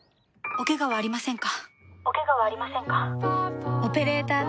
おケガはありませんか？